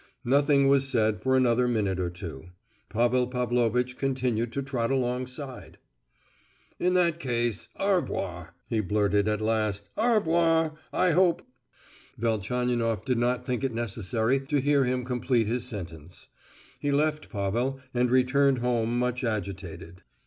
Nothing was said for another minute or two. Pavel Pavlovitch continued to trot alongside. "In that case, au revoir," he blurted, at last. "Au revoir! I hope——" Velchaninoff did not think it necessary to hear him complete his sentence; he left Pavel, and returned home much agitated.